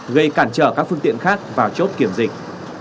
gây cản trở các phương tiện khác vào chốt kiểm dịch